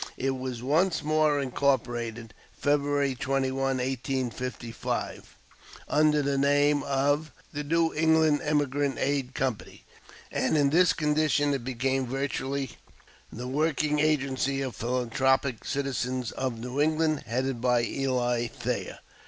It was once more incorporated February 21, 1855, under the name of "The New England Emigrant Aid Company."] and in this condition it became virtually the working agency of philanthropic citizens of New England, headed by Eli Thayer.